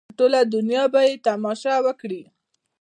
ټوله دنیا به یې تماشه وکړي.